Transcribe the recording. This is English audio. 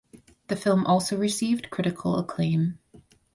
The film also received critical acclaim.